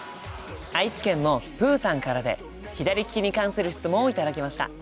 愛知県のぷうさんからで左利きに関する質問を頂きました。